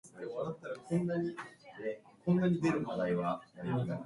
The word "bre" is of Celtic origin, and "don" is an Old English usage.